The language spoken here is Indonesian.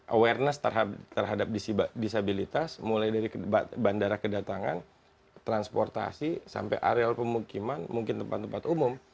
awareness terhadap disabilitas mulai dari bandara kedatangan transportasi sampai areal pemukiman mungkin tempat tempat umum